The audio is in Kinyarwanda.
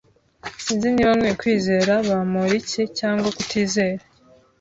Sinzi niba nkwiye kwizera Bamoriki cyangwa kutizera.